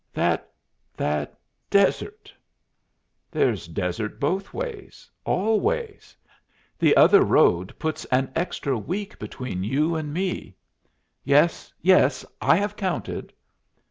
"That that desert!" "There's desert both ways all ways. The other road puts an extra week between you and me." "Yes, yes. I have counted."